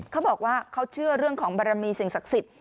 เขาบอกว่าเขาเชื่อเรื่องของบารมีสิ่งศักดิ์สิทธิ์